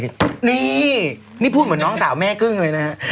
นี่นี่พูดเหมือนน้องสาวแม่กึ้งเลยนะฮะ